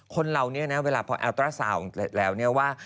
คนเราเนี่ยเนี่ยเวลาพออัลตราซาวน์แล้วเนี่ยว่า